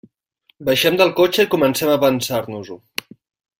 Baixem del cotxe i comencem a pensar-nos-ho.